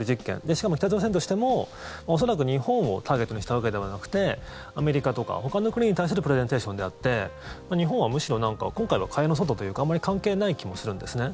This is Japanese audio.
しかも、北朝鮮としても恐らく日本をターゲットにしたわけではなくてアメリカとかほかの国に対するプレゼンテーションであって日本はむしろ今回は蚊帳の外というかあまり関係ない気もするんですね。